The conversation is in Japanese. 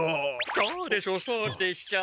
そうでしょうそうでしょう！